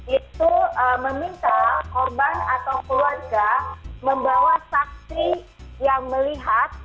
itu meminta korban atau keluarga membawa saksi yang melihat